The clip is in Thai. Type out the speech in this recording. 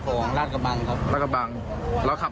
เอามาคนเดียวมาเก็บตรงไหนบ้าง